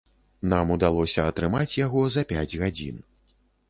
Нам удалося атрымаць яго за пяць гадзін.